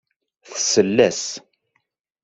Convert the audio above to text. Tsell-as.